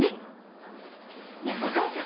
あねえお母さん。